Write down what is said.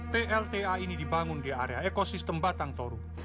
plta ini dibangun di area ekosistem batang toru